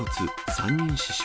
３人死傷。